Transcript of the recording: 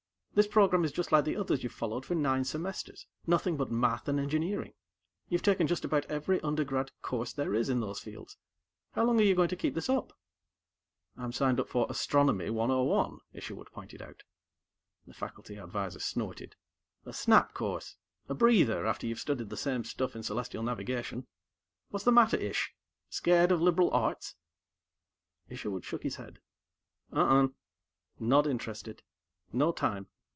This program is just like the others you've followed for nine semesters; nothing but math and engineering. You've taken just about every undergrad course there is in those fields. How long are you going to keep this up?" "I'm signed up for Astronomy 101," Isherwood pointed out. The faculty advisor snorted. "A snap course. A breather, after you've studied the same stuff in Celestial Navigation. What's the matter, Ish? Scared of liberal arts?" Isherwood shook his head. "Uh unh. Not interested. No time.